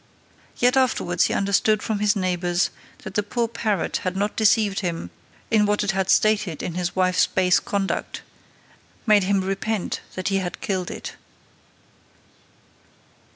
Yet afterwards he understood from his neigbours, that the poor parrot had not deceived him in what it had stated of his wife's base conduct, made him repent that he had killed it.